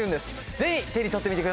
ぜひ手に取ってみてください。